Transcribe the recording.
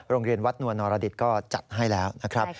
โรงเรียนวัดนวลนรดิตก็จัดให้แล้วนะครับ